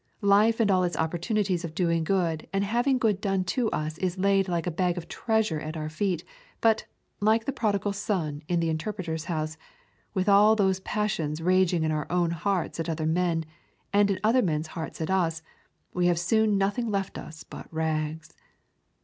Life and all its opportunities of doing good and having good done to us is laid like a bag of treasure at our feet, but, like the prodigal son in the Interpreter's House, with all those passions raging in our own hearts at other men, and in other men's hearts at us, we have soon nothing left us but rags.